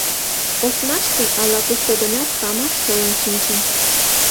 — Ошмаште ала-кушто гынат памаш шылын шинчын…